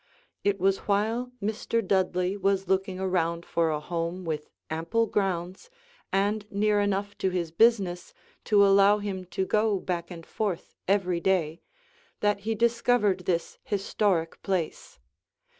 It was while Mr. Dudley was looking around for a home with ample grounds, and near enough to his business to allow him to go back and forth every day, that he discovered this historic place.